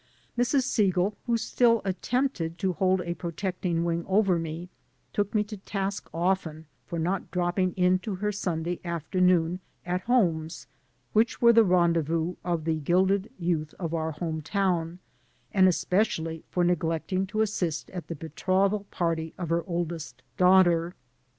Mrs. Segal, who still at tempted to hold a protecting wing over me, took me to task often for not dropping in to her Sunday after noon "at homes," which were the rendezvous of the gilded youth of our home town, and especially for neg lecting to assist at the betrothal party of her oldest daughter.